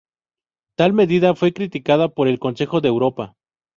Tal medida fue criticada por el Consejo de Europa.